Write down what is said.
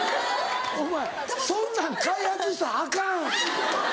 お前そんなん開発したらアカン！